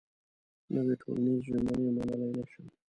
نوې ټولنيزې ژمنې منلای نه شم.